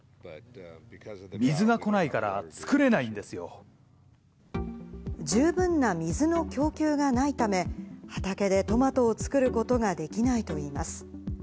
水が来ないから、作れないん十分な水の供給がないため、畑でトマトを作ることができないといいます。